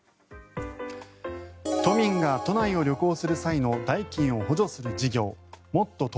都民が都内を旅行する際の代金を補助する事業もっとＴｏｋｙｏ。